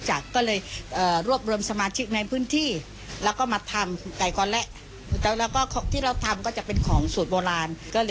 การทำไก่กอและที่เราทำจะเป็นของสูตรโบราณ